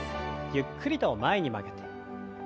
ゆっくりと前に曲げて。